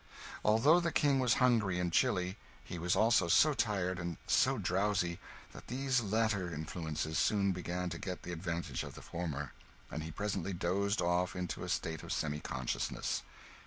Although the King was hungry and chilly, he was also so tired and so drowsy that these latter influences soon began to get the advantage of the former, and he presently dozed off into a state of semi consciousness.